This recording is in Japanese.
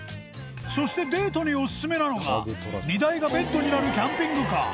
そしてデートにオススメなのが荷台がベッドになるキャンピングカー